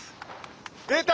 出た！